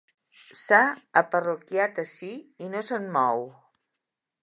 S'ha aparroquiat ací i no se'n mou.